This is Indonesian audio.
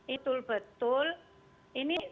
itu betul ini